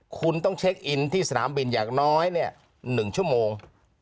คุณต้องเช็คอินที่สนามบินอย่างน้อย๑ชั่วโมง